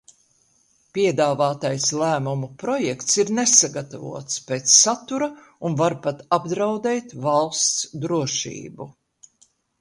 Piedāvātais lēmuma projekts ir nesagatavots pēc satura un var pat apdraudēt valsts drošību.